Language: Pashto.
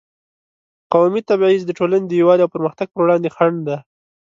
قومي تبعیض د ټولنې د یووالي او پرمختګ پر وړاندې خنډ دی.